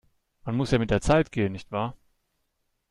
Man muss ja mit der Zeit gehen, nicht wahr?